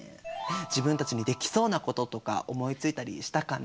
自分たちにできそうなこととか思いついたりしたかな？